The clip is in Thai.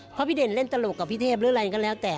เพราะพี่เด่นเล่นตลกกับพี่เทพหรืออะไรก็แล้วแต่